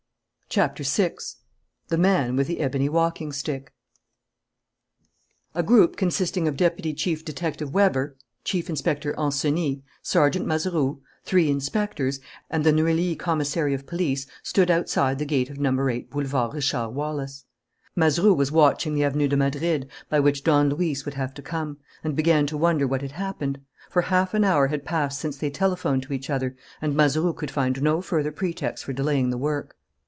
CHAPTER SIX THE MAN WITH THE EBONY WALKING STICK A group consisting of Deputy Chief Detective Weber, Chief Inspector Ancenis, Sergeant Mazeroux, three inspectors, and the Neuilly commissary of police stood outside the gate of No. 8 Boulevard Richard Wallace. Mazeroux was watching the Avenue de Madrid, by which Don Luis would have to come, and began to wonder what had happened; for half an hour had passed since they telephoned to each other, and Mazeroux could find no further pretext for delaying the work.